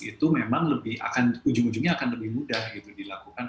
itu memang lebih akan ujung ujungnya akan lebih mudah gitu dilakukan